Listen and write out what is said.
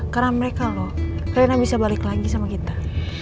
karena mereka loh kalian bisa balik lagi sama kita